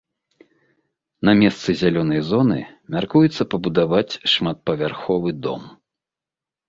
На месцы зялёнай зоны мяркуецца пабудаваць шматпавярховы дом.